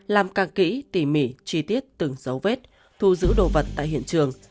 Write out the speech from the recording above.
làm càng kỹ tỉ mỉ chi tiết từng dấu vết thu giữ đồ vật tại hiện trường